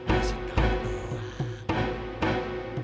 masih tau ya